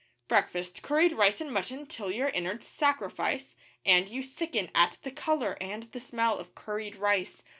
Breakfast, curried rice and mutton till your innards sacrifice, And you sicken at the colour and the smell of curried rice.